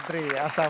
namar tiga pak jokowi